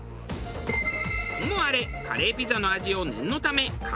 ともあれカレーピザの味を念のため確認。